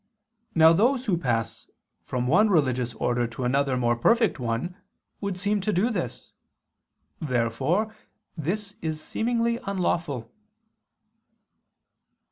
Now those who pass from one religious order to another more perfect one would seem to do this. Therefore this is seemingly unlawful.